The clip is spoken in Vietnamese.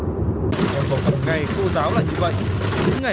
ngày cô giáo là như vậy